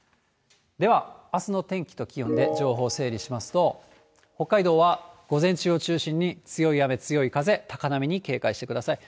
では、あすの天気と気温で情報整理しますと、北海道は午前中を中心に強い雨、強い風、高波に警戒してください。